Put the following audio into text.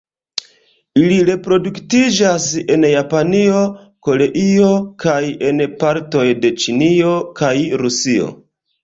Ili reproduktiĝas en Japanio, Koreio kaj en partoj de Ĉinio kaj Rusio.